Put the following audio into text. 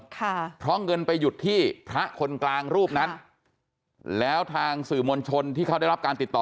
ค่ะเพราะเงินไปหยุดที่พระคนกลางรูปนั้นแล้วทางสื่อมวลชนที่เขาได้รับการติดต่อ